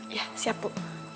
iya siap bu